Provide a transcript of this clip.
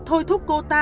thôi thúc của người ta